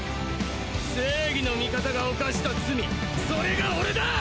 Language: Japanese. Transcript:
正義の味方が犯した罪それが俺だ！